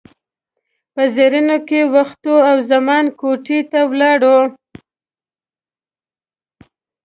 په زېنو کې وختو او زما کوټې ته ولاړو.